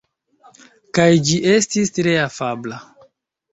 Kaj ĝi estis tre afabla.